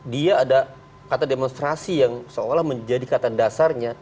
dia ada kata demonstrasi yang seolah menjadi kata dasarnya